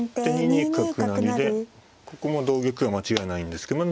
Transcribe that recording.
２二角成でここも同玉は間違いないんですけど。